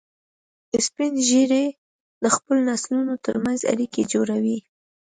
سپین ږیری د خپلو نسلونو تر منځ اړیکې جوړوي